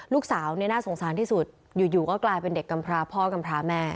ลูกสาวเนี่ยน่าสงสารที่สุดอยู่ก็กลายเป็นเด็กกำพราพ่อกำพราแม่